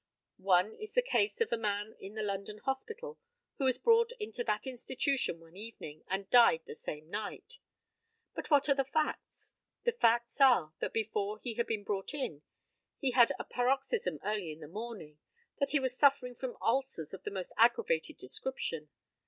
One is the case of a man in the London Hospital, who was brought into that institution one evening, and died the same night. But what are the facts? The facts are, that before he had been brought in he had had a paroxysm early in the morning that he was suffering from ulcers of the most aggravated description.